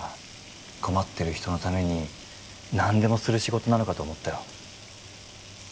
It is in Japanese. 困ってる人のために何でもする仕事なのかと思ったよ